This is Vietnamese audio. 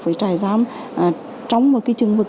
với trại giam trong một trường vực